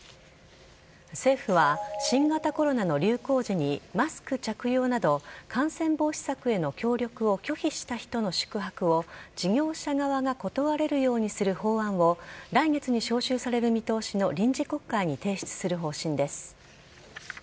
政府は新型コロナの流行時にマスク着用など感染防止策への協力を拒否した人の宿泊を事業者側が断れるようにする法案を来月に召集される見通しの臨時国会に提出する方針です。